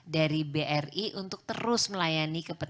dari bri untuk terus melayani kepentingan nasabah